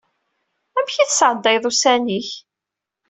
Amek i tesɛeddayeḍ ussan-ik?